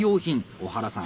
小原さん